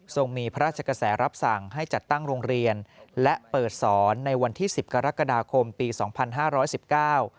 มีพระราชกระแสรับสั่งให้จัดตั้งโรงเรียนและเปิดสอนในวันที่สิบกรกฎาคมปีสองพันห้าร้อยสิบเก้า